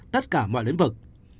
tất cả mọi lĩnh vực